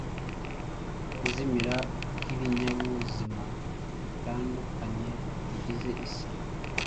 kuzimira kw’ibinyabuzima bitandukanye bigize isi